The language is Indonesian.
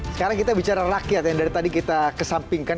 sekarang kita bicara rakyat yang dari tadi kita kesampingkan